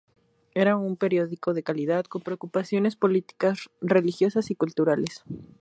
Era un periódico de calidad con preocupaciones políticas, religiosas y culturales.